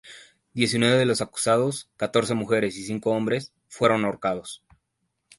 Diecinueve de los acusados —catorce mujeres y cinco hombres— fueron ahorcados.